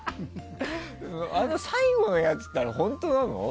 あの最後のやつって本当なの？